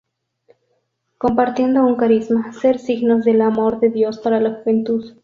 Compartiendo un carisma: Ser signos del amor de Dios para la juventud.